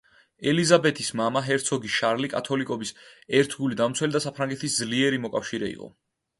ელიზაბეთის მამა, ჰერცოგი შარლი კათოლიკობის ერთგული დამცველი და საფრანგეთის ძლიერი მოკავშირე იყო.